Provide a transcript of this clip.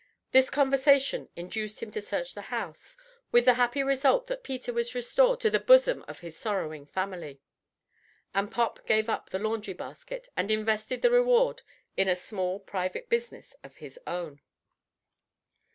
This conversation induced him to search the house, with the happy result that Peter was restored to the bosom of his sorrowing family, and Pop gave up the laundry basket, and invested the reward in a small private business of his own.